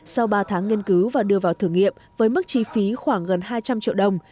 sau ba tháng nghiên cứu và đưa vào thử nghiệm với mức chi phí khoảng gần hai trăm linh triệu đồng